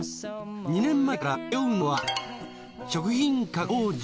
２年前から通うのは食品加工場。